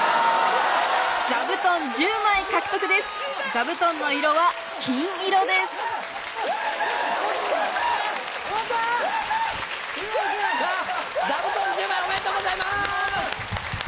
座布団１０枚おめでとうございます！